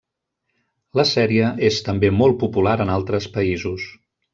La sèrie és també molt popular en altres països.